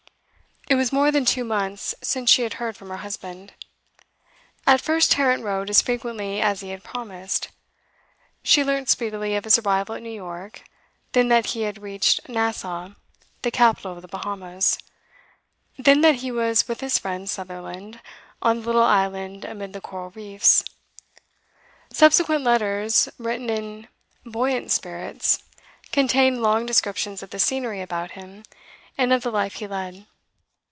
It was more than two months since she had heard from her husband. At first Tarrant wrote as frequently as he had promised. She learnt speedily of his arrival at New York, then that he had reached Nassau, the capital of the Bahamas, then that he was with his friend Sutherland on the little island amid the coral reefs. Subsequent letters, written in buoyant spirits, contained long descriptions of the scenery about him, and of the life he led.